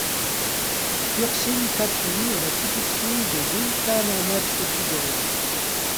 Tûrsîn Khâtûn est la petite-fille de l’il-khan Ahmad Teküder.